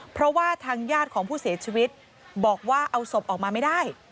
เพราะว่าทางญาติของผู้เสียชีวิตบอกว่าเอาศพออกมาไม่ได้